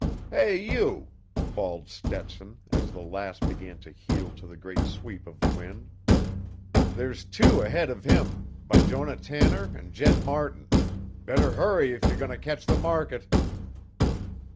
"Hey, you!" bawled Stetson as the Lass began to heel to the great sweep of the wind. "There's two ahead of him, Bijonah Tanner an' Jed Martin! Better hurry if you're going to catch the market!"